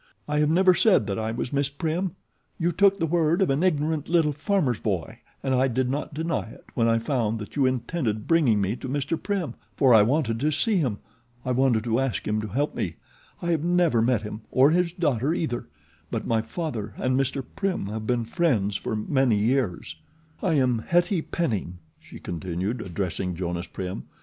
"I have never said that I was Miss Prim. You took the word of an ignorant little farmer's boy and I did not deny it when I found that you intended bringing me to Mr. Prim, for I wanted to see him. I wanted to ask him to help me. I have never met him, or his daughter either; but my father and Mr. Prim have been friends for many years. "I am Hettie Penning," she continued, addressing Jonas Prim.